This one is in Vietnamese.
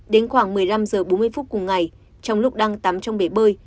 đến khoảng một mươi năm h bốn mươi phút cùng ngày trong lúc đang tắm trong bể bơi